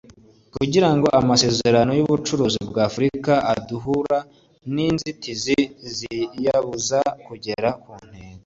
kugirango amasezerano y’ubucuruzi bwa Afurika adahura n’inzitizi ziyabuza kugera ku ntego